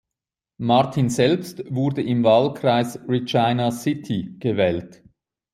Martin selbst wurde im Wahlkreis Regina City gewählt.